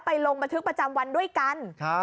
ลงบันทึกประจำวันด้วยกัน